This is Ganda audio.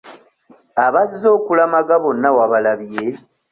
Abazze okulamaga bonna wabalabye?